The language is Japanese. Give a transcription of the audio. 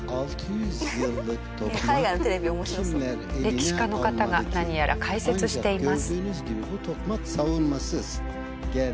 歴史家の方が何やら解説しています。